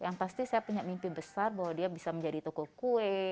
yang pasti saya punya mimpi besar bahwa dia bisa menjadi toko kue